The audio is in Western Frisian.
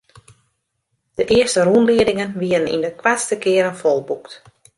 De earste rûnliedingen wiene yn de koartste kearen folboekt.